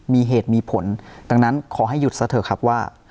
มีเหตุมีผลดังนั้นขอให้หยุดซะเถอะครับว่า